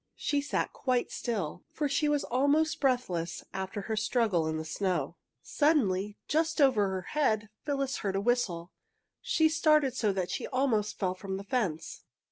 She sat quite still, for she was almost breathless after her struggle in the snow. Suddenly, just over her head, Phyllis heard a whistle. She started so that she almost fell from the fence.